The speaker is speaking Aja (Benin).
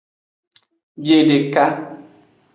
Biedeka.